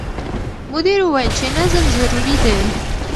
مدیر وویل چې نظم ضروري دی.